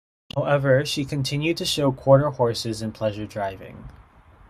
However, she continued to show Quarter Horses in pleasure driving.